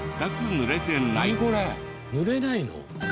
濡れないの？